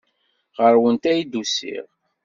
Ɣer-went ay d-usiɣ.